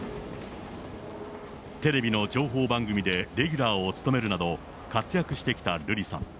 テレビの情報番組でレギュラーを務めるなど、活躍してきた瑠麗さん。